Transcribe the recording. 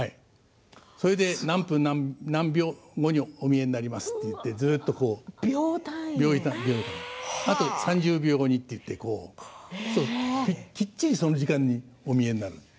それで何分何秒後にお見えなりますと秒単位であと３０秒後にと言ってきっちりその時間にお見えになる。